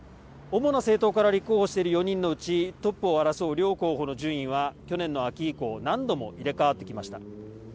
主な政党から立候補している４人のうちトップを争う両候補の順位は去年の秋以降何度も入れ代わってきました。